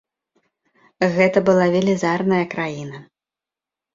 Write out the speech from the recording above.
Гэта была велізарная краіна.